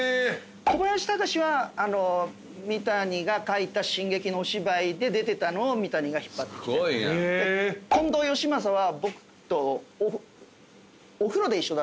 小林隆は三谷が書いた新劇のお芝居で出てたのを三谷が引っ張ってきて近藤芳正は僕と。